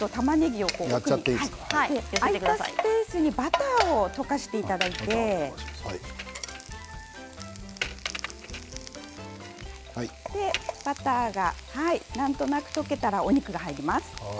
そこに、バターを溶かしていただいてバターが、なんとなく溶けたらお肉が入ります。